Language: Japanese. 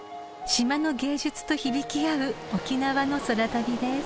［島の芸術と響き合う沖縄の空旅です］